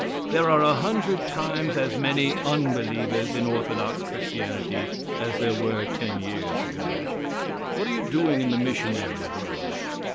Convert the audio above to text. There are a hundred times as many unbelievers in orthodox Christianity as there were ten years ago. What are you doing in the missionary World?